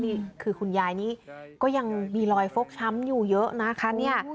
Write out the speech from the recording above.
นี่คือคุณยายนี้ก็ยังมีรอยฟกช้ำอยู่เยอะนะคะเนี่ย